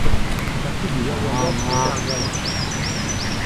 Elle fait partie du lawanat de Dargala.